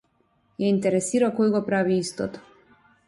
Ја интересира кој го прави истото